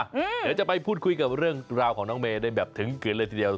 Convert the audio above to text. เดี๋ยวจะไปพูดคุยกับเรื่องราวของน้องเมย์ได้แบบถึงเกิดเลยทีเดียว